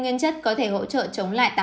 nguyên chất có thể hỗ trợ chống lại tám